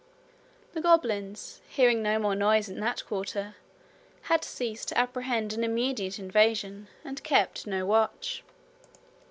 The goblins, hearing no more noise in that quarter, had ceased to apprehend an immediate invasion, and kept no watch.